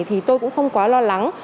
thì tôi cũng không quá lo lắng